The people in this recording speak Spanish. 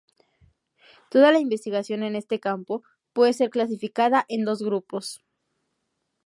Toda la investigación en este campo puede ser clasificada en dos grupos.